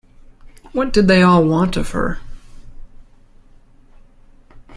What did they all want of her?